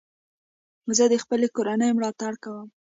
زه د خپلي کورنۍ ملاتړ کوم.